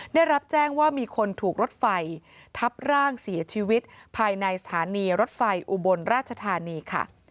ได้รับแจ้งว่ามีคนถูกรถไฟทับร่างเสียชีวิตภายในสถานีรถไฟอุบลราชธานีค่ะ